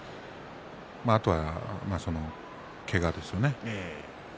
あとは、けがですよね。